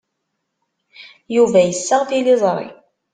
Yuba yessaɣ tiliẓri.